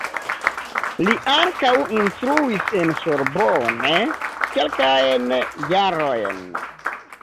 Li ankaŭ instruis en Sorbonne kelkajn jarojn.